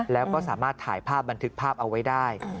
แล้วก็สามารถถ่ายภาพบันทึกภาพเอาไว้ได้